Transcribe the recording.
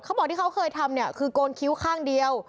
เขาบอกที่เขาเคยทำเนี่ยคือโกนคิ้วข้างเดียว